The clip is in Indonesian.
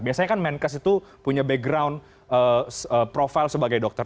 biasanya kan menkes itu punya background profil sebagai dokter